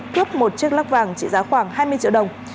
cướp một chiếc lắc vàng trị giá khoảng hai mươi triệu đồng